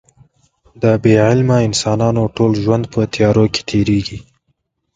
د بې علمه انسانانو ټول ژوند په تیارو کې تېرېږي.